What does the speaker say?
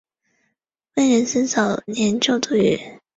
威廉斯早年就读于。